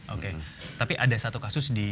oke tapi ada satu kasus di